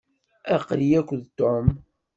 Aql-iyi akked Tom.